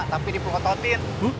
tapi dipuat ototin